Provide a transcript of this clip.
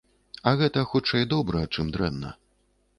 А гэта хутчэй добра, чым дрэнна.